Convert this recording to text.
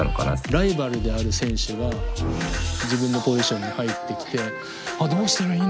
ライバルである選手が自分のポジションに入ってきて「ああどうしたらいいんだろう」って。